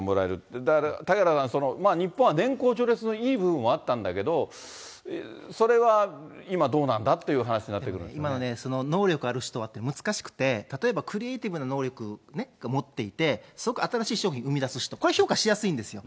だから、嵩原さん、日本は年功序列のいい部分もあったんだけれども、それは今どうなその能力ある人はって、難しくて、例えばクリエイティブな能力を持っていて、すごく新しい商品を生み出す人、これは評価しやすいんですよ。